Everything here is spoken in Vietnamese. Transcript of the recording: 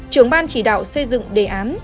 trường ban chỉ đạo xây dựng đề án